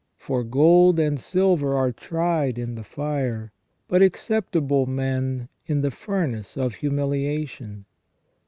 For gold and silver are tried in the fire, but acceptable men in the furnace of humiliation.